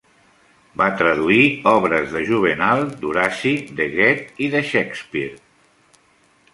Va traduir obres de Juvenal, d'Horaci, de Goethe i de Shakespeare.